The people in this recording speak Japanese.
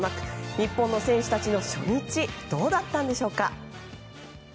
日本の選手たちの初日どうだったんでしょうか？